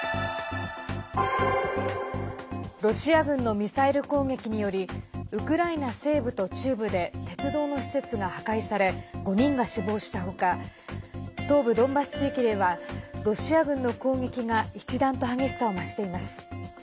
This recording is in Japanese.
ロシア軍のミサイル攻撃によりウクライナ西部と中部で鉄道の施設が破壊され５人が死亡したほか東部ドンバス地域ではロシア軍の攻撃が一段と激しさを増しています。